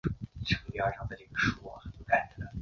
浓烈的苗族风情令人陶醉。